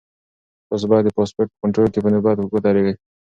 تاسو باید د پاسپورټ په کنټرول کې په نوبت کې ودرېږئ.